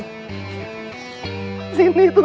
kamu tidak pakai sepatu